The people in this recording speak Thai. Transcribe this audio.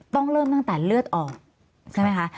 ต้องเริ่มตั้งแต่เลือดออกใช่ไหมคะ